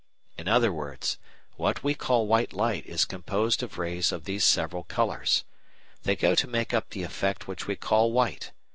_In other words, what we call white light is composed of rays of these several colours. They go to make up the effect which we call white.